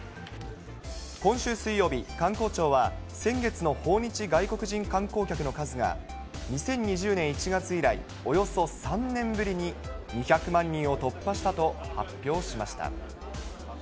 今週水曜日、観光庁は、先月の訪日外国人観光客の数が、２０２０年１月以来、およそ３年ぶりに、２００万人を突破したと発表しました。